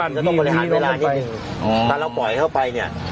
อาจจะต้องพักบ้านพี่ร่างท้ายแผ่นบ้านพี่